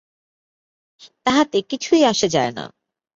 তাহাতে কিছুই আসে যায় না।